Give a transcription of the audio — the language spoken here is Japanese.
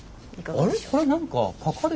あれ？